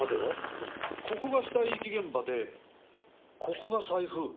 ここが死体遺棄現場でここが財布